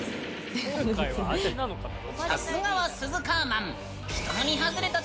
さすがはスズカーマン。